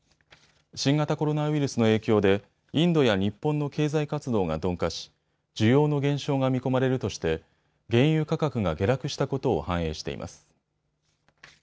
新型コロナウイルスの影響でインドや日本の経済活動が鈍化し需要の減少が見込まれるとして原油価格が下落したことを反映しています。